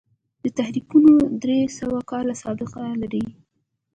دا تحریکونه درې سوه کاله سابقه لري.